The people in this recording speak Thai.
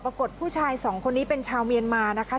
ผู้ชายสองคนนี้เป็นชาวเมียนมานะคะ